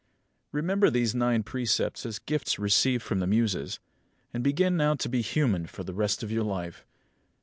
Remember these nine precepts as gifts received from the Muses; and begin now to be human for the rest of your life.